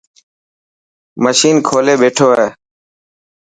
مشِن کولي ٻيٺو هي.